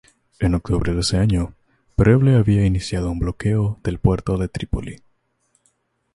En octubre de ese año, Preble había iniciado un bloqueo del puerto de Trípoli.